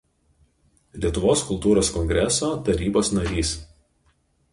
Lietuvos kultūros kongreso tarybos narys.